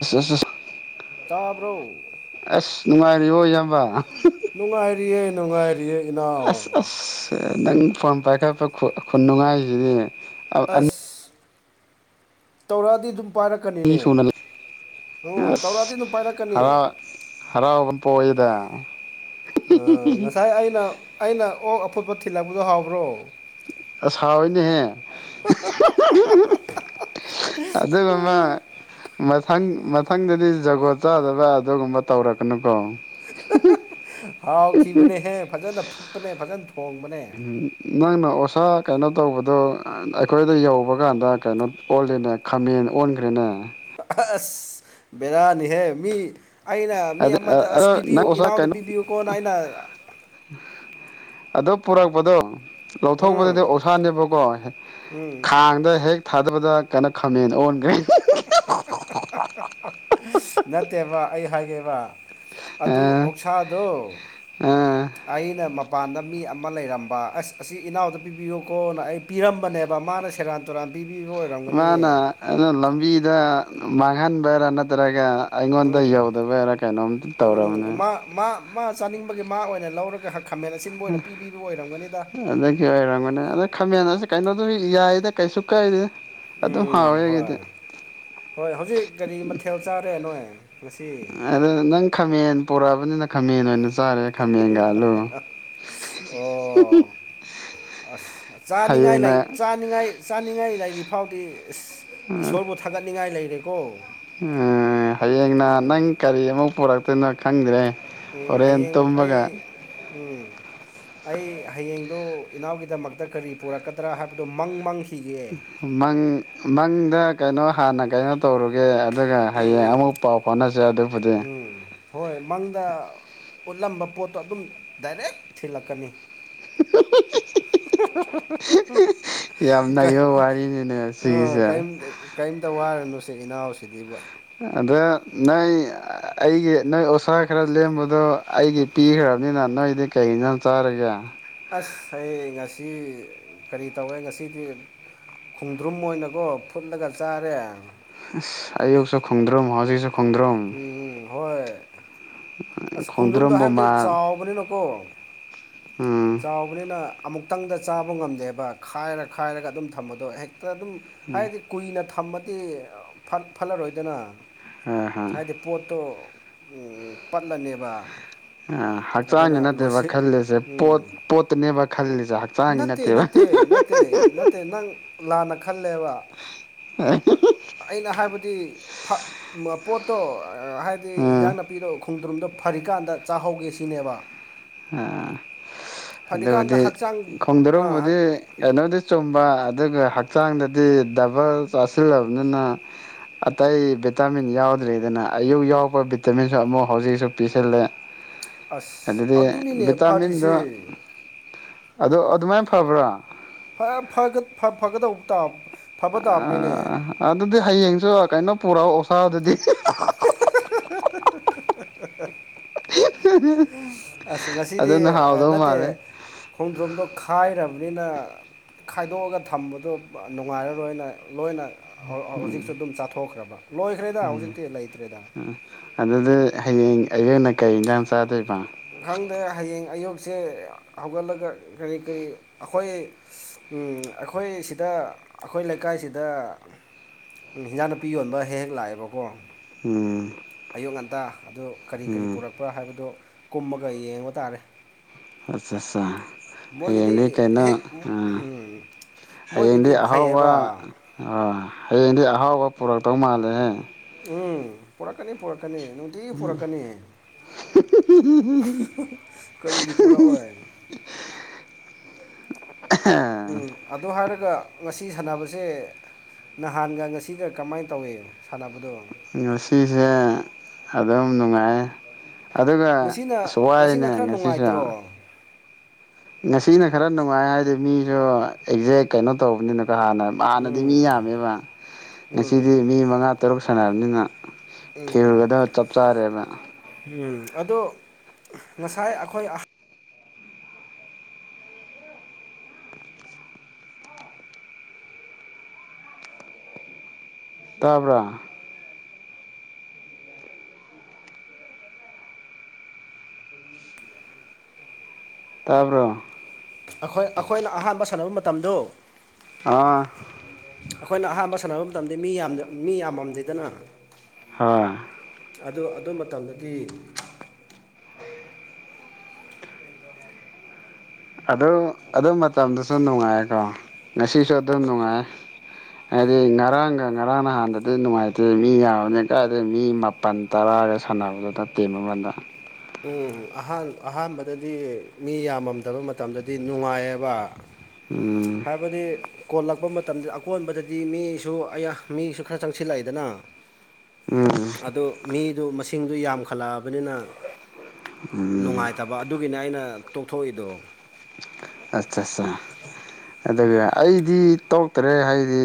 ꯑꯁ ꯑꯁ ꯇꯥꯕ꯭ꯔꯣ ꯑꯁ ꯅꯨꯡꯉꯥꯏꯔꯤꯕꯣ ꯏꯌꯥꯝꯕ ꯅꯨꯡꯉꯥꯏꯔꯤꯌꯦ ꯅꯨꯡꯉꯥꯏꯔꯤꯌꯦ ꯏꯅꯥꯎ ꯑꯁ ꯑꯁ ꯅꯪ ꯐꯣꯟ ꯄꯥꯏꯈꯠꯄ ꯈꯨꯟꯅꯨꯡꯉꯥꯏꯁꯤꯗꯤ ꯑꯁ ꯇꯧꯔꯛꯑꯗꯤ ꯑꯗꯨꯝ ꯄꯥꯏꯔꯛꯀꯅꯤꯅꯦ ꯁꯨꯅ ꯎꯝ ꯇꯧꯔꯛꯑꯗꯤ ꯑꯗꯨꯝ ꯄꯥꯏꯔꯛꯀꯅꯤ ꯍꯔꯥꯎꯒꯝ ꯄ ꯑꯣꯏꯣꯏꯗ ꯉꯁꯥꯏ ꯑꯩꯅ ꯑꯩꯅ ꯑꯣꯛ ꯑꯐꯨꯠꯄ ꯊꯤꯜꯂꯛꯄꯗꯣ ꯍꯥꯎꯕ꯭ꯔꯣ ꯁꯥꯎꯣꯏꯅꯦꯍꯦ ꯑꯗꯨ ꯃꯃ ꯃꯊꯪ ꯃꯊꯪꯗꯗꯤ ꯖꯒꯣꯠ ꯆꯥꯗꯕ ꯑꯗꯨꯒꯨꯝꯕ ꯇꯧꯔꯛꯀꯅꯨꯀꯣ ꯍꯥꯎꯈꯤꯕꯅꯦꯍꯦ ꯐꯖꯅ ꯐꯨꯨꯞꯄꯅꯦ ꯐꯖꯅ ꯊꯣꯡꯕꯅꯦ ꯅꯪꯅ ꯑꯣꯁꯥ ꯀꯩꯅꯣ ꯇꯧꯕꯗꯣ ꯑꯩꯈꯣꯏꯗ ꯌꯧꯕ ꯀꯥꯟꯗ ꯀꯩꯅꯣ ꯑꯣꯜꯂꯤꯅꯦ ꯈꯥꯃꯦꯟ ꯑꯣꯟꯈ꯭ꯔꯦꯅꯦ ꯑꯁ ꯕꯦꯔꯥꯅꯤꯍꯦ ꯃꯤ ꯑꯩꯅ ꯃꯤ ꯑꯗꯨ ꯑꯃꯗ ꯑꯁ ꯅꯪ ꯄꯤꯕꯤꯌꯨ ꯑꯣꯖꯥ ꯏꯅꯥꯎꯗ ꯄꯤꯕꯤꯌꯨꯀꯣꯅ ꯑꯩꯅ ꯑꯗꯣ ꯄꯨꯔꯛꯄꯗꯣ ꯂꯧꯊꯣꯛꯄꯗꯗꯤ ꯎꯝ ꯑꯣꯁꯥꯅꯦꯕꯀꯣ ꯎꯝ ꯈꯥꯡꯗ ꯍꯦꯛ ꯊꯥꯗꯕꯗ ꯀꯥꯏꯟꯅ ꯈꯥꯝꯃꯦꯅ ꯑꯣꯟꯈ꯭ꯔꯦ ꯅꯠꯇꯦꯕ ꯑꯩ ꯍꯥꯏꯒꯦꯕ ꯑꯗꯨ ꯑ ꯑꯣꯛꯁꯥꯗꯣ ꯑ ꯑꯩꯅ ꯃꯄꯥꯟꯗ ꯃꯤ ꯑꯃ ꯂꯩꯔꯝꯕ ꯑꯁ ꯑꯁꯤ ꯏꯅꯥꯎꯗ ꯄꯤꯕꯤꯌꯨ ꯀꯣꯅ ꯑꯩ ꯄꯤꯔꯝꯕꯅꯦꯕ ꯃꯥꯅ ꯁꯦꯔꯥꯟ ꯇꯨꯔꯥꯟ ꯕꯤ ꯑꯣꯏ ꯃꯥꯅ ꯑꯗꯨꯝ ꯂꯝꯕꯤꯗ ꯃꯥꯡꯍꯟꯕꯔꯥ ꯅꯠꯇ꯭ꯔꯒ ꯑꯩꯉꯣꯟꯗ ꯎꯝ ꯌꯧꯗꯕ ꯌꯥꯔꯥ ꯀꯩꯅꯣꯝꯇ ꯎꯝ ꯇꯧꯔꯕꯅꯦ ꯃꯥ ꯃꯥ ꯃꯥ ꯆꯥꯅꯤꯡꯕꯒꯤ ꯃꯥ ꯑꯣꯏꯅ ꯂꯧꯔꯒ ꯍꯛ ꯈꯥꯃꯦꯟ ꯑꯁꯤꯟꯕ ꯑꯣꯏꯅ ꯄꯤꯕꯤꯕ ꯑꯣꯏꯔꯝꯒꯅꯤꯗ ꯑꯗꯨ ꯌ ꯑꯣꯏꯔꯝꯒꯅꯦ ꯑꯗ ꯈꯥꯃꯦꯟꯁꯤ ꯀꯩꯅꯣꯗ ꯌꯥꯏꯗ ꯀꯩꯁꯨ ꯀꯛꯏꯦ ꯎꯝ ꯍꯣꯏ ꯍꯣꯏ ꯍꯧꯖꯤꯛ ꯀꯒꯥꯔꯤ ꯃꯊꯦꯜ ꯆꯥꯔꯦ ꯅꯣꯏ ꯉꯁꯤ ꯑꯗꯨꯗ ꯅꯪ ꯈꯥꯃꯦꯟ ꯄꯣꯔꯛꯑꯕꯅꯤꯅ ꯈꯥꯃꯦꯟ ꯑꯣꯏꯅꯁ ꯑꯣ ꯑꯁ ꯆꯥꯅꯤꯡꯉꯥꯏ ꯍꯌꯦꯡꯅ ꯆꯥꯅꯤꯡꯉꯥꯏ ꯆꯥꯅꯤꯡꯉꯥꯏ ꯂꯩꯔꯤ ꯐꯥꯎꯗꯤꯁ ꯏꯁꯣꯔꯕꯨ ꯊꯥꯒꯠꯅꯤꯡꯉꯥꯏ ꯂꯩꯔꯦꯀꯣ ꯍꯌꯦꯡꯅ ꯎꯝ ꯅꯪ ꯀꯔꯤ ꯑꯃꯨ ꯄꯨꯔꯛꯇꯣꯏꯅꯣ ꯈꯪꯗ꯭ꯔꯦ ꯎꯝ ꯑꯣꯣꯔꯦꯦꯟꯟ ꯍꯌꯦꯡ ꯇꯝꯕꯒ ꯑꯩ ꯎꯝ ꯑꯩ ꯍꯌꯦꯡꯗꯨ ꯏꯅꯥꯎꯒꯤꯗꯃꯛꯇ ꯀꯔꯤ ꯄꯨꯔꯛꯀꯗ꯭ꯔꯥ ꯍꯥꯏꯕꯗꯨ ꯃꯪ ꯃꯪ ꯃꯪ ꯃꯪꯗ ꯀꯩꯅꯣ ꯍꯥꯟꯅ ꯀꯩꯅꯣ ꯇꯧꯔꯨꯒꯦ ꯑꯗꯨꯒ ꯍꯌꯦꯡ ꯑꯃꯨꯛ ꯄꯥꯎ ꯐꯥꯎꯅꯁꯦ ꯑꯗꯨ ꯎꯝ ꯍꯣꯏ ꯃꯪꯗ ꯎꯠꯂꯝꯕ ꯄꯣꯠꯇꯣ ꯑꯗꯨꯝ ꯗꯥꯏꯔꯦꯛ ꯊꯤꯜꯂꯛꯀꯅꯤ [unintelligible] ꯌꯥꯝ ꯀ ꯅꯩꯕ ꯋꯥꯔꯤꯅꯤꯅꯦ ꯑꯥ ꯀ ꯁꯤꯒꯤꯁꯦ ꯀꯔꯤꯝꯇ ꯋꯥꯔꯅꯨ ꯁꯤ ꯏꯅꯥꯎꯁꯤꯗꯤꯕꯨ ꯑꯗ ꯅꯣꯏ ꯑꯩꯒꯤ ꯅꯣꯏ ꯑꯣꯁꯥ ꯈꯔ ꯂꯦꯝꯕꯗꯣ ꯑꯩꯗꯤ ꯄꯤꯈ꯭ꯔꯕꯅꯤꯅ ꯅꯣꯏꯗꯤ ꯀꯩ ꯅ ꯆꯥꯔꯒꯦ ꯑꯁ ꯑꯩ ꯉꯁꯤ ꯀꯔꯤ ꯇꯧꯋꯦ ꯉꯁꯤꯗꯤ ꯈꯣꯡꯗ꯭ꯔꯨꯝ ꯑꯣꯏꯅꯀꯣ ꯐꯨꯠꯂꯒ ꯆꯥꯔꯦ ꯑꯁ ꯑꯌꯨꯛꯁꯨ ꯈꯣꯡꯗ꯭ꯔꯨꯝꯝ ꯍꯧꯖꯤꯛꯁꯨ ꯈꯣꯡꯗ꯭ꯔꯣꯝ ꯎꯝ ꯍꯣꯏ ꯑꯁ ꯈꯣꯡꯖꯣꯝꯗꯣ ꯈꯣꯡꯗ꯭ꯔꯨꯝꯕꯨ ꯍꯥꯏꯕꯗꯤ ꯃꯥ ꯆꯥꯎꯕꯅꯤꯅꯀꯣ ꯎꯝ ꯍꯥꯎꯕꯅꯤꯅ ꯑꯃꯨꯛꯇꯪꯗ ꯆꯥꯕ ꯉꯝꯗꯦꯕ ꯈꯥꯏꯔ ꯈꯥꯏꯔꯒ ꯑꯗꯨꯝ ꯊꯝꯕꯗꯣ ꯍꯦꯛꯇ ꯑꯗꯨꯝ ꯍꯥꯏꯗꯤ ꯀꯨꯏꯅ ꯊꯝꯃꯗꯤ ꯐꯠꯂꯔꯣꯏꯗꯅ ꯑ ꯍ ꯍꯥꯏꯗꯤ ꯄꯣꯠꯇꯣ ꯄꯠꯂꯅꯦꯕ ꯑ ꯍꯛꯆꯥꯡꯒꯤ ꯑꯗꯨꯅ ꯅꯠꯇꯦꯕ ꯂꯣꯏꯁꯤꯠ ꯈꯜꯂꯤꯁꯦ ꯄꯣꯠ ꯎꯝ ꯄꯣꯠꯇꯅꯦꯕ ꯈꯜꯂꯤꯁꯦ ꯍꯛꯆꯥꯡꯒꯤ ꯅꯠꯇꯦ ꯅꯠꯇꯦꯕ ꯅꯠꯇꯦ ꯅꯠꯇꯦ ꯅꯠꯇꯦ ꯅꯪ ꯂꯥꯟꯅ ꯈꯜꯂꯦꯕ ꯍꯥꯏ ꯑꯩꯅ ꯍꯥꯏꯕꯗꯤ ꯄꯣꯠꯇꯣ ꯍꯥꯏꯗꯤ ꯎꯝ ꯏꯟꯖꯥꯡ ꯅꯥꯄꯤꯗꯣ ꯈꯣꯡꯗ꯭ꯔꯨꯝꯗꯣ ꯐꯔꯤꯀꯥꯟꯗ ꯆꯥꯍꯧꯒꯦ ꯁꯤꯅꯦꯕ ꯑ ꯐꯔꯤꯀꯥꯟꯗ ꯑꯗꯨꯕꯨꯗꯤ ꯍꯛꯆꯥꯡ ꯈꯣꯡꯗꯣꯔꯨꯝꯕꯨꯗꯤ ꯀꯩꯅꯣꯗꯤ ꯆꯨꯝꯕ ꯑꯗꯨꯒ ꯍꯛꯆꯥꯡꯗꯗꯤ ꯗꯕꯜ ꯆꯥꯁꯤꯜꯂꯕꯅꯤꯅ ꯑꯇꯩ ꯚꯤꯇꯥꯃꯤꯟ ꯌꯥꯎꯗ꯭ꯔꯦꯗꯅ ꯑꯌꯨꯛ ꯌꯥꯎꯔꯛꯄ ꯚꯤꯇꯥꯃꯤꯟꯁꯨ ꯑꯃꯨꯛ ꯍꯧꯖꯤꯛꯁꯨ ꯄꯤꯁꯤꯜꯂꯦ [inaudible] ꯑꯁ ꯑꯗꯨꯅꯤꯅꯦ ꯐꯔꯤꯁꯦ ꯑꯗꯣ ꯑꯗꯨꯃꯥꯏꯅ ꯐꯕ꯭ꯔꯥ ꯐ ꯐꯒ ꯐ ꯐꯒꯗꯧꯕ ꯇꯥ ꯐꯕ ꯇꯥꯕꯅꯤꯅꯦ ꯑꯗꯨꯗꯤ ꯍꯌꯦꯡꯁꯨ ꯀꯩꯅꯣ ꯄꯨꯔꯛꯑꯣ ꯑꯣꯁꯥ ꯑꯗꯨꯗꯤ [unintelligible] ꯑꯁ ꯉꯁꯤꯗꯤ ꯑꯗꯨꯅ ꯍꯥꯎꯗꯧ ꯅꯠꯇꯦ ꯃꯥꯜꯂꯦ ꯈꯣꯡꯗ꯭ꯔꯨꯝꯗꯣ ꯈꯥꯏꯔꯕꯅꯤꯅ ꯈꯥꯏꯗꯣꯛꯑꯒ ꯊꯝꯕꯗꯣ ꯅꯨꯡꯉꯥꯏꯔꯔꯣꯏꯅ ꯂꯣꯏꯅ ꯍꯧꯖꯤꯛꯁꯨ ꯑꯗꯨꯝ ꯆꯥꯊꯣꯛꯈ꯭ꯔꯕ ꯂꯣꯏꯈ꯭ꯔꯦꯗ ꯍꯧꯖꯤꯛꯇꯤ ꯂꯩꯇ꯭ꯔꯦꯗ ꯑ ꯑꯗꯨꯗꯤ ꯍꯌꯦꯡ ꯑꯌꯨꯛꯅ ꯀꯩ ꯌꯦꯟꯖꯥꯡ ꯆꯥꯗꯣꯏꯕ ꯈꯪꯗꯦ ꯍꯌꯦꯡ ꯑꯌꯨꯛꯁꯦ ꯍꯧꯒꯠꯂꯒ ꯀꯔꯤ ꯀꯔꯤ ꯑꯩꯈꯣꯏ ꯎꯝ ꯑꯩꯈꯣꯏ ꯁꯤꯗ ꯑꯩꯈꯣꯏ ꯂꯩꯀꯥꯏꯁꯤꯗ ꯍꯤꯟꯖꯥꯡ ꯅꯨꯄꯤ ꯌꯣꯟꯕ ꯍꯦꯛ ꯍꯦꯛ ꯂꯥꯛꯑꯦꯕꯀꯣ ꯎꯝ ꯑꯌꯨꯛ ꯉꯟꯇꯥ ꯑꯗꯨ ꯀꯔꯤ ꯀꯔꯤ ꯎꯝ ꯄꯨꯔꯛꯄ꯭ꯔ ꯍꯥꯏꯕꯗꯨ ꯀꯨꯝꯃꯒ ꯌꯦꯡꯕ ꯇꯥꯔꯦ ꯑꯠꯆꯥꯆꯥ ꯍꯌꯦꯡꯗꯤ ꯃꯣꯏꯒꯤꯗꯤ ꯀꯩꯅꯣ ꯍꯦꯛ ꯑꯥ ꯍꯌꯦꯡꯗꯤ ꯃꯣꯏꯒꯤꯗꯤ ꯑꯍꯥꯎꯕ ꯐꯩꯌꯦꯕ ꯍꯌꯦꯡꯗꯤ ꯑꯍꯥꯎꯕ ꯄꯨꯔꯛꯇꯧ ꯃꯥꯜꯂꯦꯍꯦ ꯎꯝ ꯄꯨꯔꯛꯀꯅꯤ ꯄꯨꯔꯛꯀꯅꯤ ꯅꯨꯡ ꯇꯤꯒꯤ ꯄꯨꯔꯛꯀꯅꯤ ꯀꯔꯤꯒꯤ ꯄꯨꯔꯛꯑꯣꯏ [unintelligible] ꯎꯝ ꯑꯗꯨꯗ ꯍꯥꯏꯔꯒ ꯉꯁꯤ ꯁꯥꯟꯅꯕꯁꯦ ꯅꯍꯥꯟꯒ ꯉꯁꯤꯒ ꯀꯃꯥꯏꯅ ꯇꯧꯏ ꯁꯥꯟꯅꯕꯗꯣ ꯉꯁꯤꯁꯦ ꯑꯗꯨꯝ ꯅꯨꯡꯉꯥꯏ ꯑꯗꯨꯒ ꯉꯁꯤꯅ ꯑꯁ ꯋꯥꯌꯦꯅꯦ ꯉꯁꯤꯅ ꯈꯔ ꯉꯁꯤꯁꯨ ꯅꯨꯡꯉꯥꯏꯇ꯭ꯔꯣ ꯉꯁꯤꯅ ꯈꯔ ꯅꯨꯡꯉꯥꯏ ꯍꯥꯏꯗꯤ ꯃꯤꯁꯨ ꯑꯦꯛꯖꯦꯛ ꯀꯩꯅꯣ ꯇꯧꯕꯅꯤꯅꯀꯣ ꯍꯥꯟꯅ ꯍꯥꯟꯅꯗꯤ ꯃꯤ ꯎꯝ ꯌꯥꯝꯃꯦꯕ ꯎꯝ ꯉꯁꯤꯗꯤ ꯃꯤ ꯃꯉꯥ ꯇꯔꯨꯛ ꯁꯥꯟꯔꯕꯅꯤꯅ ꯎꯝ ꯐꯤꯜꯒꯗꯣ ꯆꯞ ꯆꯥꯔꯦꯅ ꯎꯝ ꯑꯗꯣ ꯉꯁꯥꯏ ꯑꯩꯈꯣꯏ ꯇꯥꯕ꯭ꯔ ꯇꯥꯕ꯭ꯔꯣ ꯑꯩꯈꯣꯏ ꯑꯩꯈꯣꯏꯅ ꯑꯍꯥꯟꯕ ꯁꯥꯟꯅꯕ ꯃꯇꯝꯗꯣ ꯑꯥ ꯑꯩꯈꯣꯏꯅ ꯑꯍꯥꯟꯕ ꯁꯥꯟꯅꯕ ꯃꯇꯝꯗꯤ ꯃꯤ ꯌꯥꯝ ꯃꯤ ꯌꯥꯝꯃꯝꯗꯦꯗꯅ ꯍꯣꯏ ꯑꯗꯨ ꯑꯗꯨ ꯃꯇꯝꯗꯗꯤ [inaudible] ꯑꯗꯨ ꯑꯗꯨ ꯃꯇꯝꯗꯨꯁꯨ ꯅꯨꯡꯉꯥꯏꯀꯣ ꯉꯁꯤꯁꯨ ꯑꯗꯨꯝ ꯅꯨꯡꯉꯥꯏ ꯍꯥꯏꯗꯤ ꯉꯔꯥꯡꯒ ꯉꯔꯥꯡ ꯅꯍꯥꯟꯗꯗꯤ ꯅꯨꯡꯉꯥꯏꯇꯦ ꯃꯤ ꯌꯥꯝꯕꯅꯤꯅ ꯀꯥꯏꯗꯩ ꯃꯤ ꯃꯥ ꯄꯟ ꯇꯔꯥꯒ ꯁꯥꯟꯅꯕꯗꯨꯗ ꯇꯤꯝ ꯑꯃꯗ ꯎꯝ ꯑꯍꯥꯟ ꯑꯍꯥꯟꯕꯗꯗꯤ ꯃꯤ ꯌꯥꯝꯃꯝꯗꯕ ꯃꯇꯝꯗꯗꯤ ꯅꯨꯡꯉꯥꯏꯌꯦꯕ ꯎꯝ ꯍꯥꯏꯕꯗꯤ ꯀꯣꯜꯂꯛꯄ ꯃꯇꯝꯗ ꯑꯀꯣꯟꯕꯗꯗꯤ ꯃꯤꯁꯨ ꯑ ꯃꯤꯁꯨ ꯈꯔ ꯆꯪꯁꯤꯜꯂꯛꯑꯦꯗꯅ [inaudible] ꯑꯗꯨ ꯃꯤꯗꯨ ꯃꯁꯤꯡꯗꯨ ꯌꯥꯝꯈꯜꯂꯛꯑꯕꯅꯤꯅ ꯎꯝ ꯅꯨꯡꯉꯥꯏꯇꯕ ꯑꯗꯨꯒꯤꯅꯦ ꯑꯩꯅ ꯇꯣꯛꯊꯣꯛꯏꯗꯣ ꯑꯠꯆꯥꯆꯥ ꯑꯗꯨꯒ ꯑꯩꯗꯤ ꯇꯣꯛꯇ꯭ꯔꯦ ꯍꯥꯏꯗꯤ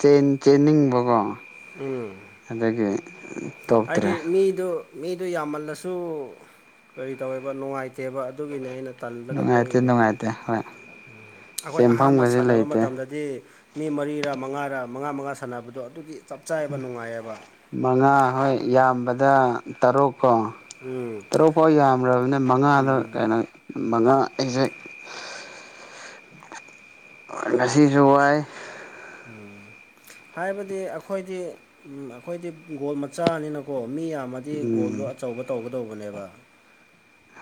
ꯆꯦꯟ ꯆꯦꯟꯅꯤꯡꯕꯀꯣ ꯎꯝ ꯑꯗꯒꯤ ꯎꯝ ꯍꯥꯏꯗꯤ ꯃꯤꯗꯨ ꯃꯤꯗꯨ ꯌꯥꯝꯃꯜꯂꯁꯨ ꯀꯔꯤ ꯇꯧꯋꯦꯕ ꯅꯨꯡꯉꯥꯏꯇꯦꯕ ꯑꯗꯨꯒꯤꯅꯦ ꯑꯩꯅ ꯇꯜꯂꯒ ꯅꯨꯡꯉꯥꯏꯇꯦ ꯇꯣꯛꯏꯗꯣ ꯅꯨꯡꯉꯥꯏꯇꯦ ꯍꯣꯏ ꯎ ꯑꯩꯈꯣꯏ ꯑꯍꯥꯟꯕ ꯆꯦꯟꯐꯝꯒꯁꯦ ꯁꯥꯟꯅꯕ ꯂꯩꯇꯦ ꯃꯇꯝꯗꯗꯤ ꯃꯤ ꯃꯔꯤꯔ ꯃꯉꯥꯔ ꯃꯉꯥ ꯃꯉꯥ ꯁꯥꯟꯅꯕꯗꯣ ꯑꯗꯨꯒꯤ ꯆꯞ ꯆꯥꯕ ꯅꯨꯡꯉꯥꯏꯌꯦꯕ ꯃꯉꯥ ꯍꯣꯏ ꯌꯥꯝꯕꯗ ꯇꯔꯨꯛ ꯀꯣ ꯎꯝ ꯇꯔꯨꯛ ꯐꯥꯎ ꯌꯥꯝ꯭ꯔꯕꯅꯦ ꯃꯉꯥꯗ ꯀꯩꯅꯣ ꯃꯉꯥ ꯑꯦꯛꯖꯦꯛ ꯉꯁꯤꯁꯨ ꯋꯥꯏ ꯎꯝ ꯍꯥꯏꯕꯗꯤ ꯑꯩꯈꯣꯏꯗꯤ ꯑꯩꯈꯣꯏꯗꯤ ꯒꯣꯜ ꯃꯆꯥꯅꯤꯅꯀꯣ ꯃꯤ ꯌꯥꯝꯃꯥ ꯗꯤ ꯒꯣꯜꯗꯣ ꯑꯆꯧꯕ ꯇꯧꯒꯗꯧꯕꯅꯦꯕ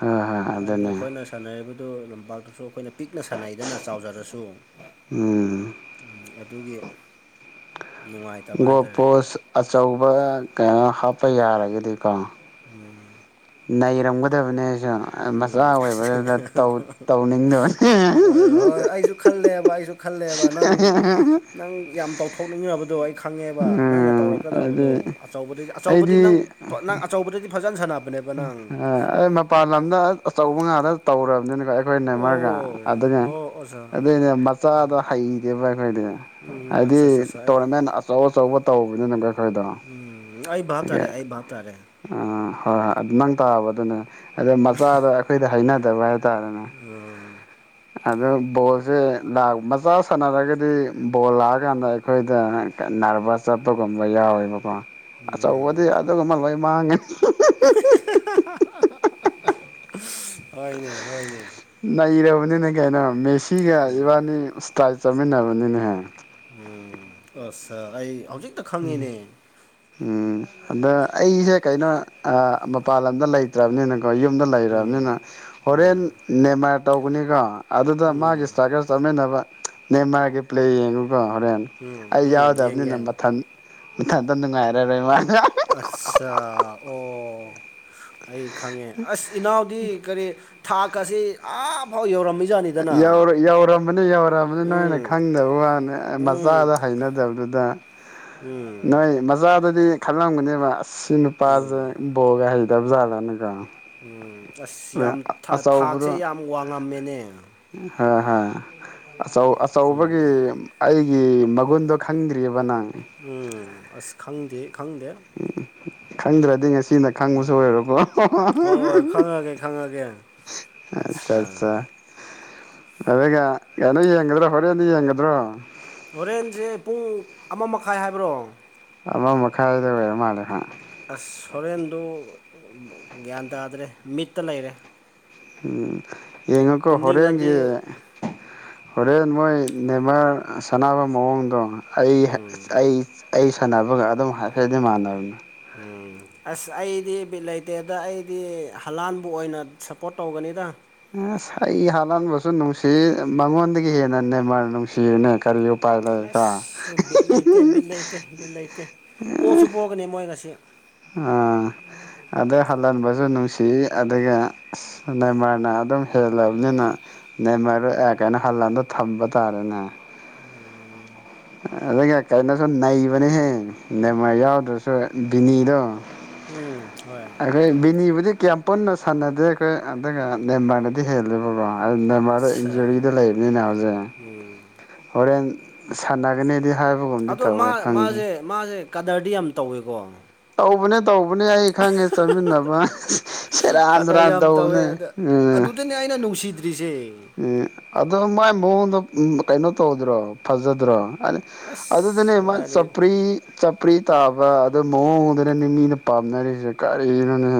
ꯍꯥ ꯍꯥꯏ ꯍꯥꯏꯕꯗꯤ ꯑꯩꯈꯣꯏꯅ ꯁꯥꯟꯅꯔꯤꯕꯗꯨ ꯂꯝꯄꯥꯛꯇꯁꯨ ꯑꯩꯈꯣꯏꯅ ꯄꯤꯛꯅ ꯁꯥꯟꯅꯩꯗꯅ ꯆꯥꯎꯖꯔꯁꯨ ꯎꯝ ꯑꯗꯨꯒꯤ ꯅꯨꯡꯉꯥꯏꯇꯕ ꯍꯥꯏꯇꯥꯔꯦ ꯒꯣꯄꯣꯁ ꯑꯆꯧꯕ ꯀꯩꯅꯣ ꯍꯥꯞꯄ ꯌꯥꯔꯒꯗꯤꯀꯣ ꯎꯝ ꯅꯩꯔꯝꯒꯗꯕꯅꯦ ꯆꯥ ꯃꯆꯥ ꯑꯣꯏꯕꯗꯨꯗ ꯇꯧ ꯇꯧꯅꯤꯡꯗꯕꯅꯤ ꯍꯣꯏ ꯍꯣꯏ ꯑꯩꯁꯨ ꯈꯜꯂꯦꯕ ꯑꯩꯁꯨ ꯈꯜꯂꯦꯕ ꯅꯪ ꯅꯪ ꯌꯥꯝ ꯇꯧꯊꯣꯛꯅꯤꯡꯉꯕꯗꯨ ꯑꯩ ꯈꯪꯉꯦꯕ ꯅꯪꯅ ꯎꯝ ꯑꯗꯨ ꯇꯧꯔꯛꯀꯗꯕꯗꯣ ꯑꯆꯧꯕꯗꯩꯗꯤꯞ ꯑꯆꯧꯕꯗꯤ ꯅꯪ ꯑꯩꯗꯤ ꯅꯪ ꯑꯆꯧꯕꯗꯗꯤ ꯐꯖꯟ ꯁꯥꯟꯅ ꯎ ꯑꯥ ꯑꯩ ꯃꯄꯥꯟ ꯂꯝꯗ ꯑꯆꯧꯕ ꯉꯥꯛꯇ ꯇꯧꯔꯕꯅꯤꯅ ꯚꯥꯏ ꯑꯩꯈꯣꯏ ꯅꯦꯝꯃꯔꯒ ꯑꯣ ꯑꯗꯨꯅꯦ ꯑꯣ ꯑꯣꯖꯥ ꯑꯗꯨꯏꯅꯦ ꯃꯆꯥꯗꯣ ꯍꯩꯇꯦꯕ ꯑꯩꯈꯣꯏꯗꯤ ꯎꯝ ꯍꯥꯏꯗꯤ ꯑꯠꯆꯥ ꯑꯠꯆꯥ ꯑꯠꯆꯥ ꯑꯩ ꯇꯣꯔꯅꯃꯦꯟ ꯑꯆꯧ ꯑꯆꯧꯕ ꯇꯧꯕꯅꯤꯅ [unintelligible] ꯎꯝ ꯑꯩ ꯚꯥꯞ ꯇꯥꯔꯦ ꯑꯩ ꯚꯥꯞ ꯇꯥꯔꯦ ꯑ ꯍꯣꯏ ꯑꯗꯨ ꯅꯪ ꯇꯥꯕ ꯑꯗꯨꯅꯦ ꯑꯗꯣ ꯃꯆꯥꯗꯣ ꯑꯩꯈꯣꯏꯗ ꯍꯩꯅꯗꯦꯕ ꯍꯥꯏ ꯇꯔꯦꯅꯦ ꯎꯝ ꯑꯗꯨ ꯕꯣꯜꯁꯦ ꯂꯥꯛ ꯃꯆꯥ ꯁꯥꯟꯅꯔꯒꯗꯤ ꯕꯣꯜ ꯂꯥꯛꯑꯀꯥꯟꯗ ꯑꯩꯈꯣꯏꯗ ꯅꯥꯔꯕꯁ ꯆꯠꯄꯒꯨꯝꯕ ꯌꯥꯎꯋꯦꯕꯀꯣ ꯎꯝ ꯑꯆꯧꯕꯗꯤ ꯑꯗꯨꯒꯨꯝꯕ ꯂꯣꯏ ꯃꯥꯡꯉꯦ ꯍꯣꯏꯅꯦ ꯍꯣꯏꯅꯦ ꯅꯩꯔꯕꯅꯤꯅꯦ ꯀꯩꯅꯣ ꯃꯦꯁꯤꯒ ꯏꯕꯥꯅꯤ ꯏꯁꯇꯥꯏꯜ ꯆꯥꯃꯤꯟꯅꯕꯅꯤꯅꯦꯍꯦ ꯎꯝ ꯑꯁ ꯆꯥ ꯑꯩ ꯍꯧꯖꯤꯛꯇꯥ ꯎꯝ ꯎꯝ ꯑꯗ ꯑꯩꯁꯦ ꯀꯩꯅꯣ ꯑꯥ ꯃꯄꯥꯟ ꯂꯝꯗ ꯂꯩꯇ꯭ꯔꯕꯅꯤꯅ ꯑꯣ ꯌꯨꯝꯗ ꯂꯩꯔꯕꯅꯤꯅ ꯎꯝ ꯍꯣꯔꯦꯟ ꯎꯝ ꯅꯦꯃꯥꯔ ꯇꯧꯕꯅꯤꯀꯣ ꯑꯗꯨꯗ ꯃꯥꯒꯤ ꯎꯝ ꯏꯁꯇ꯭ꯔꯥꯏꯀꯔ ꯆꯠꯃꯤꯟꯅꯕ ꯅꯦꯝꯃꯔꯒ ꯄ꯭ꯂꯦ ꯌꯦꯡꯉꯨꯀꯣ ꯍꯣꯔꯦꯟ ꯎꯝ ꯑꯩ ꯎꯝ ꯌꯦꯡ ꯌꯥꯎꯗꯕꯅꯤꯅ ꯌꯦꯡ ꯃꯊꯟ ꯃꯊꯟꯇꯥ ꯅꯨꯉꯥꯏꯔꯔꯣꯏ ꯃꯥ ꯑꯠꯆꯥꯥ ꯑꯣ ꯑꯩ ꯈꯪꯉꯦ ꯑꯁ ꯏꯅꯥꯎꯗꯤ ꯀꯔꯤ ꯊꯥꯛ ꯀꯥꯁꯤ ꯑꯥꯐꯥꯎ ꯌꯧꯔꯝꯃꯤ ꯌꯧꯔ ꯌꯧꯔꯝꯃꯅꯤ ꯌꯧꯔꯑꯝꯃꯅꯤ ꯅꯣꯏꯅ ꯎꯝ ꯈꯪꯗꯕ ꯋꯥꯅꯦ ꯎꯝ ꯃꯆꯥꯗ ꯍꯩꯅꯗꯕꯗꯨꯗ ꯎꯝ ꯅꯣꯏ ꯃꯆꯥꯠ ꯑꯗꯨꯗꯤ ꯈꯜꯂꯝꯒꯅꯦꯕ ꯑꯁ ꯁꯤ ꯅꯨꯄꯥꯁꯦ ꯕꯣꯜꯒ ꯍꯩꯇꯕ ꯖꯥꯠꯂꯥꯅꯀꯣ ꯎ ꯑꯁ ꯌꯥꯝ ꯊꯥꯛ ꯊꯥꯛꯁꯦ ꯌꯥꯝ ꯋꯥꯡꯉꯝꯃꯦꯅꯦ ꯍꯥꯣꯏ ꯍꯣꯏꯆꯧ ꯑꯆꯧꯕꯒꯤ ꯑꯩꯒꯤ ꯃꯒꯨꯟꯗꯣ ꯈꯪꯗ꯭ꯔꯤꯕ ꯅꯪ ꯎꯝ ꯑꯁ ꯈꯪꯗꯦ ꯈꯪꯗꯦ ꯎꯝ ꯈꯪꯗ꯭ꯔꯗꯤ ꯉꯁꯤꯅ ꯈꯪꯕꯁꯨ ꯑꯣꯏꯔꯣꯀꯣ ꯍꯣꯏ ꯍꯣꯏ ꯈꯪꯉꯒꯦ ꯈꯪꯉꯒꯦ ꯑꯠꯆꯥ ꯆꯥ ꯑꯗꯨꯒ ꯀꯩꯅꯣ ꯌꯦꯡꯒꯗ꯭ꯔꯣ ꯍꯣꯔꯦꯟꯗꯤ ꯌꯦꯡꯒꯗ꯭ꯔꯣ ꯍꯣꯔꯦꯟꯁꯦ ꯄꯨꯡ ꯑꯃ ꯃꯈꯥꯏ ꯍꯥꯏꯕ꯭ꯔꯣ ꯑꯃ ꯃꯈꯥꯏꯗ ꯑꯣꯏꯔ ꯃꯥꯜꯂꯦ ꯍꯣꯏ ꯑꯁ ꯍꯣꯔꯦꯟꯗꯨ ꯒ꯭ꯌꯥꯟ ꯇꯥꯗ꯭ꯔꯦ ꯃꯤꯠꯇ ꯂꯩꯔꯦ ꯎꯝ ꯌꯦꯉꯣꯀꯣ ꯍꯣꯔꯦꯟꯒꯤ ꯇꯨꯝꯅꯤꯡꯉꯗꯤ ꯍꯣꯔꯦꯟ ꯃꯣꯏ ꯅꯦꯃꯔ ꯁꯥꯟꯅꯕ ꯃꯑꯣꯡꯗꯣ ꯑꯩ ꯑꯩ ꯑꯩ ꯁꯥꯟꯅꯕꯒ ꯑꯗꯨꯝ ꯍꯥꯏꯐꯦꯠꯇꯤ ꯃꯥꯟꯅꯕꯅꯤ ꯎꯝ ꯑꯁ ꯑꯩꯗꯤ ꯕꯤꯠ ꯂꯩꯇꯦꯗ ꯑꯩꯗꯤ ꯍꯂꯥꯟꯕꯨ ꯑꯣꯏꯅ ꯁꯞꯄꯣꯔꯠ ꯇꯧꯒꯅꯤꯗ ꯑꯁ ꯑꯩ ꯍꯂꯥꯟꯕꯨꯁꯨ ꯅꯨꯡꯁꯤ ꯃꯉꯣꯟꯗꯒꯤ ꯍꯦꯟꯅ ꯅꯦ ꯅꯦꯃꯥꯔꯅ ꯅꯨꯡꯁꯤꯅꯦ ꯀꯔꯤ ꯄꯥꯏꯂ ꯀ ꯑꯁ ꯕꯤꯠ ꯂꯩꯇꯦ ꯕꯤꯠ ꯎ [inaudible] ꯄꯣꯅꯤ ꯃꯣꯏ ꯉꯁꯤ ꯑꯥ ꯑꯗ ꯍꯜꯂꯟꯕꯨꯁꯨ ꯅꯨꯡꯁꯤ ꯑꯗꯨꯒ ꯅꯃ꯭ꯥꯔꯅ ꯑꯗꯨꯝ ꯍꯦꯜꯂꯕꯅꯤꯅ ꯅꯦꯃꯥꯔꯗꯣ ꯑꯦ ꯀꯩꯅꯣ ꯍꯜꯂꯥꯟꯗꯣ ꯊꯝꯕ ꯇꯥꯔꯦꯅꯦ ꯑꯗꯨꯒ ꯀꯩꯅꯣꯁꯨ ꯅꯩꯕꯅꯦꯍꯦ ꯅꯦꯃꯥꯔ ꯌꯥꯎꯗ꯭ꯔꯁꯨ ꯕꯤꯅꯤꯗꯣ ꯎꯝ ꯍꯣꯏ ꯑꯗꯩ ꯕꯤꯅꯤꯕꯨꯗꯤ ꯀꯌꯥꯝ ꯄꯨꯟꯅ ꯁꯥꯟꯅꯗꯦ ꯀ ꯑꯗꯨꯒ ꯅꯦꯃꯥꯔꯅꯗꯤ ꯍꯦꯜꯂꯦꯕꯀꯣ ꯅꯦꯃꯥꯔꯗꯤ ꯑꯠꯆꯥ ꯏꯟꯖꯨꯔꯤꯗꯣ ꯂꯩꯕꯅꯤꯅ ꯍꯧꯖꯤꯛ ꯎꯝ ꯍꯣꯔꯦꯟ ꯁꯥꯟꯅꯒꯅꯤꯗꯤ ꯍꯥꯏꯕꯒꯨꯝꯗꯤ ꯑꯗꯣ ꯇꯧꯋꯦ ꯃꯥ ꯈꯪꯗꯦ ꯃꯥꯁꯦ ꯃꯥꯁꯦ ꯀꯗꯔꯗꯤ ꯌꯥꯝ ꯇꯧꯋꯦꯀꯣ ꯇꯧꯕꯅꯦ ꯇꯧꯕꯅꯦ ꯑꯩ ꯈꯪꯉꯦ ꯆꯠꯃꯤꯟꯅꯕ ꯁꯦꯔꯥꯟ ꯨꯇꯨꯔꯥꯟ ꯇꯧꯕꯅꯦ ꯎꯝ ꯑꯗꯨꯅꯦ ꯑꯩꯅ ꯅꯨꯡꯁꯤꯗ꯭ꯔꯤꯁꯦ ꯑꯗꯣ ꯃꯥꯏ ꯃꯑꯣꯡꯗ ꯀꯩꯅꯣ ꯇꯧꯗ꯭ꯔꯣ ꯐꯖꯗ꯭ꯔꯣ ꯍꯥꯏꯗꯤ ꯑꯗꯨꯗꯅꯦ ꯑꯁ ꯃꯥ ꯀꯗꯥꯏꯗꯒꯤ ꯁꯄ꯭ꯔꯤ ꯆꯄ꯭ꯔꯤ ꯇꯥꯕ ꯑꯗꯨ ꯃꯑꯣꯡꯗꯨꯅꯦ ꯃꯤꯅ ꯄꯥꯝꯅꯔꯤꯁꯦ ꯀꯔꯤꯅꯣꯅꯦ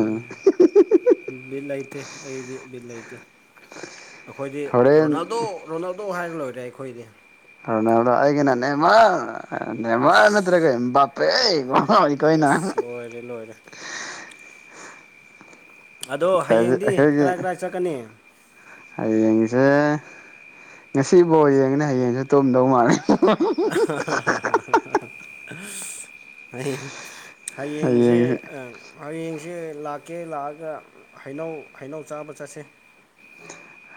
ꯕꯤꯠ ꯂꯩꯇꯦ ꯑꯩꯗꯤ ꯕꯤꯠ ꯂꯩꯇꯦ ꯑꯩꯈꯣꯏꯗꯤ ꯍꯣꯔꯦꯟ ꯔꯣꯅꯥꯜꯗꯣ ꯔꯣꯅꯥꯜꯗꯣ ꯍꯥꯏꯔ ꯂꯣꯏꯔꯦ ꯑꯩꯈꯣꯏꯗꯤ ꯔꫭꯅꯥꯜꯗꯣ ꯑꯩꯒꯤꯅ ꯅꯦꯃꯥꯔ ꯅꯦꯃꯥꯔ ꯅꯠꯇꯔꯒ ꯑꯁ ꯕꯥꯞꯄꯦ ꯑꯁ ꯂꯣꯏꯔꯦ ꯂꯣꯏꯔꯦ ꯑꯗꯣ ꯍꯌꯦꯡꯗꯤ ꯑꯩꯈꯣꯏꯒꯤ ꯀꯔꯥꯏ ꯀꯔꯥꯏ ꯆꯠꯀꯅꯤ ꯍꯌꯦꯡꯁꯦ ꯉꯁꯤ ꯕꯣꯜ ꯌꯦꯡꯑꯗꯤ ꯍꯌꯦꯡꯁꯦ ꯇꯨꯝꯗꯧ ꯃꯥꯜꯂꯦ ꯑ [inaudible] ꯍꯌꯦꯡꯁꯦ ꯍꯌꯦꯡꯁꯦ ꯂꯥꯛꯀꯦ ꯂꯥꯛꯑꯒ ꯍꯩꯅꯧ ꯍꯩꯅꯧ ꯆꯥꯕ ꯆꯠꯁꯦ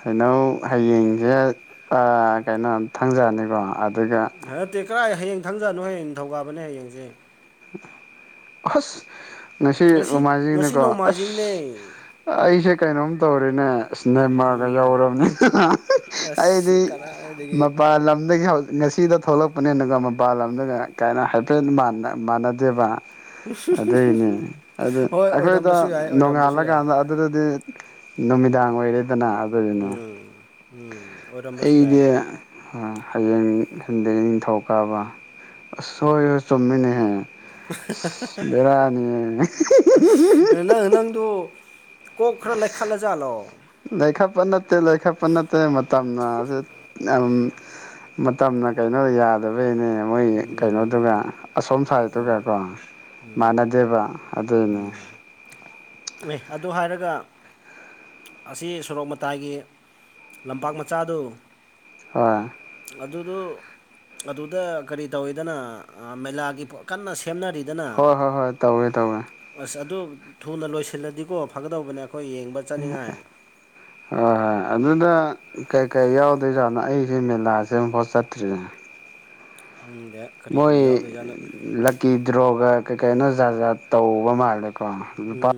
ꯀꯩꯅꯧ ꯍꯌꯦꯡꯁꯦ ꯀꯩꯅꯣ ꯊꯪꯖꯅꯤꯀꯣ ꯅꯠꯇꯦ ꯀꯗꯥꯥꯏ ꯍꯌꯦꯡ ꯊꯪꯖꯅꯣ ꯍꯌꯦꯡ ꯅꯤꯡꯊꯧꯀꯥꯕꯅꯦ ꯍꯌꯦꯡꯁꯦ ꯑꯁ ꯉꯁꯤ ꯉꯁꯤ ꯅꯣꯢꯃꯥꯢꯆꯤꯡꯅꯤꯀꯣ ꯅꯣꯡꯃꯥꯏꯖꯤꯡꯅꯦ ꯑꯁ ꯑꯩꯁꯦ ꯀꯩꯅꯣꯝ ꯇꯧꯔꯦꯅꯦ ꯏꯁ ꯅꯦꯃꯥꯔꯒ ꯎꯝ ꯌꯧꯔꯕꯅꯤꯅ ꯑꯩꯗꯤ ꯑꯁ ꯀꯗꯥꯏꯗꯒꯤ ꯃꯄꯥꯟ ꯂꯝꯗꯒꯤ ꯍꯧꯖꯤꯛ ꯉꯁꯤꯗꯣ ꯊꯣꯛꯂꯛꯄꯅꯦꯅꯒꯣ ꯃꯄꯥꯟ ꯂꯝꯗꯒ ꯀꯥꯏꯅꯣ ꯍꯥꯏꯐꯦꯠ ꯃꯥꯟꯅꯗꯦꯕ ꯑꯗꯨꯏꯅꯦ ꯑꯗꯨ ꯍꯣꯏ ꯑꯩꯈꯣꯏꯗꯣ ꯑꯣꯏꯔꯝꯕꯁꯨ ꯌꯥꯏ ꯑꯣꯏꯔꯝꯕꯁꯨ ꯌꯥꯏ ꯅꯣꯡꯉꯥꯜꯂꯀꯥꯟꯗ ꯑꯗꯨꯗꯗꯤ ꯅꯨꯃꯤꯗꯥꯡ ꯑꯣꯏꯔꯦꯗꯅ ꯑꯗꯨꯗꯨꯅ ꯎꯝ ꯎꯝ ꯑꯣꯏꯔꯝꯕꯁꯨ ꯌꯥꯏ ꯑꯩꯗꯤ ꯍꯌꯦꯡ ꯅꯤꯡꯊꯧ ꯀꯥꯕ ꯑ ꯍꯣꯏ ꯍꯣꯏ ꯆꯨꯝꯃꯤꯅꯤ ꯍꯥꯏ ꯕꯦꯔꯥꯅꯤꯍꯦ ꯅꯪ ꯅꯪꯗꯣ ꯀꯣꯛ ꯈ꯭ꯔ ꯂꯩꯈꯠꯂꯖꯥꯠꯂꯣ ꯂꯩꯈꯠꯄ ꯅꯠꯇꯦ ꯂꯩꯈꯠꯄ ꯅꯠꯇꯦ ꯃꯇꯝꯁ ꯃꯇꯝꯅ ꯀꯩꯅꯣ ꯌꯥꯗꯦ ꯑꯗꯨꯕꯩꯅꯦ ꯃꯣꯏ ꯎꯝ ꯀꯩꯅꯣꯗꯨꯒ ꯑꯁꯣꯝꯁꯥꯏꯗꯨꯨꯒꯀꯣ ꯃꯥꯟꯅꯗꯦꯕ ꯑꯗꯨꯅꯦ ꯑꯦ ꯑꯗꯨ ꯍꯥꯏꯔꯒ ꯑꯁꯤ ꯁꯣꯔꯣꯛ ꯃꯇꯥꯏꯒꯤ ꯂꯝꯄꯥꯛ ꯃꯆꯥꯗꯨ ꯑ ꯑꯗꯨꯗ ꯑꯗꯨꯗ ꯀꯔꯤ ꯇꯧꯋꯤꯗꯅ ꯃꯦꯂꯥꯒꯤ ꯀꯟꯅ ꯁꯦꯝꯅꯔꯤ ꯍꯣꯏ ꯍꯣꯏ ꯍꯣꯏ ꯇꯧꯋꯦ ꯇꯧꯋꯦ ꯑꯁ ꯑꯗꯨ ꯊꯨꯅ ꯂꯣꯏꯁꯤꯜꯂꯗꯤꯀꯣ ꯐꯒꯗꯧꯕꯅꯦ ꯑꯩꯈꯣꯏ ꯌꯦꯡꯕ ꯑ ꯆꯠꯅꯤꯡꯉꯥꯏ ꯍꯣꯏ ꯑꯗꯨꯗ ꯀꯩꯀꯩ ꯌꯥꯎꯗꯣꯏꯖꯥꯠꯅꯣ ꯑꯩꯁꯦ ꯃꯦꯂꯥꯁꯦ ꯑꯃꯨꯛꯐꯥꯎ ꯆꯠꯇ꯭ꯔꯤꯅꯦ ꯫ ꯑꯪꯗ ꯃꯣꯏ ꯂ ꯀꯤꯗ꯭ꯔꯣꯒ ꯀꯩ ꯀꯩꯅꯣ ꯖꯥꯠꯖꯥꯠ ꯇꯧꯕ ꯃꯥꯜꯂꯦꯀꯣ ꯂꯨꯄꯥ ꯎꯝ